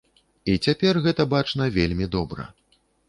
І цяпер гэта бачна вельмі добра.